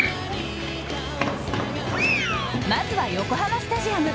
まずは横浜スタジアム。